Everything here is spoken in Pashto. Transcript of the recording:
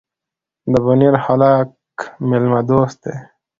ده بونیر هلک میلمه دوست دي.